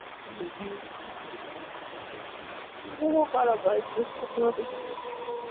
Flavel feigns shock and denounces the naked men, whom he pretends not to know.